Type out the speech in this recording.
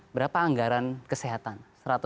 berapa anggaran kesehatan